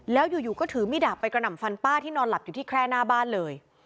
แล้วอยู่ก็ถือมีดดาบไปกระหน่ำฟันป้าที่นอนหลับอยู่ที่แคร่หน้าบ้านเลย